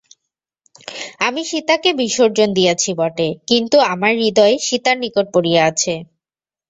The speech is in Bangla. আমি সীতাকে বিসর্জন দিয়াছি বটে, কিন্তু আমার হৃদয় সীতার নিকট পড়িয়া আছে।